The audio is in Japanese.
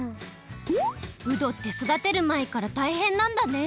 うどってそだてるまえからたいへんなんだね。